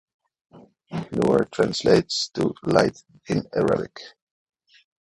Noor translates to Light in arabic.